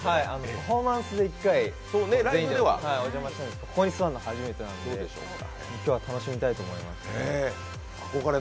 パフォーマンスで１回来ましたけどここに座るの初めてなので、今日は楽しみたいと思います。